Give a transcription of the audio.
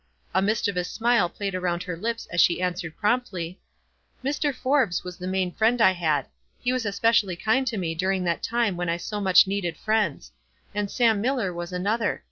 A mischievous smile played around her lips as she answered, promptly,— "Mr. Forbes was the main friend I had. He was especially kind to me during that time when WISE AND OTHERWISE. 67 I so much needed friends ; and Sam Miller waa another.